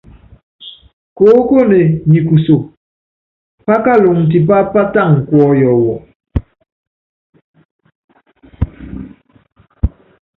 Koókone nyi kuso, pákaluŋɔ tipá pátala kuɔyɔ wu.